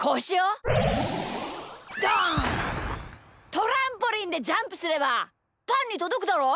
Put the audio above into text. トランポリンでジャンプすればパンにとどくだろ！？